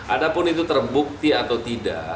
adapun itu terbukti atau tidak